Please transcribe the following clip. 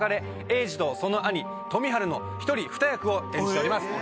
栄治とその兄富治の一人二役を演じております。